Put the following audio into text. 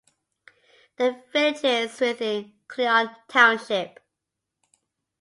The village is within Cleon Township.